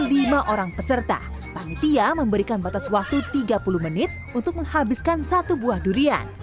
lima orang peserta panitia memberikan batas waktu tiga puluh menit untuk menghabiskan satu buah durian